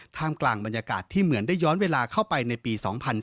กลางบรรยากาศที่เหมือนได้ย้อนเวลาเข้าไปในปี๒๔